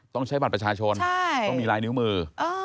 ต้องใช้บัตรประชาชนต้องมีลายนิ้วมือ